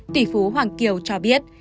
tỷ phú hoàng kiều cho biết